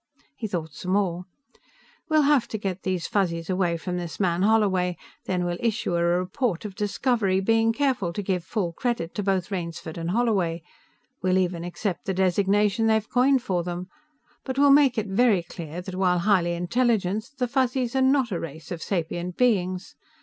He thought some more. "We'll have to get these Fuzzies away from this man Holloway. Then we'll issue a report of discovery, being careful to give full credit to both Rainsford and Holloway we'll even accept the designation they've coined for them but we'll make it very clear that while highly intelligent, the Fuzzies are not a race of sapient beings.